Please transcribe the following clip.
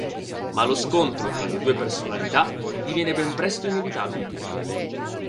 Ma lo scontro tra le due personalità diviene ben presto inevitabile.